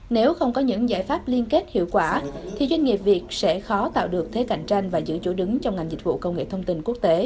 nếu không có những giải pháp liên kết hiệu quả thì doanh nghiệp việt sẽ khó tạo được thế cạnh tranh và giữ chỗ đứng trong ngành dịch vụ công nghệ thông tin quốc tế